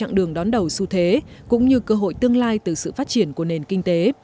đây là một trong những trạng đường đón đầu xu thế cũng như cơ hội tương lai từ sự phát triển của nền kinh tế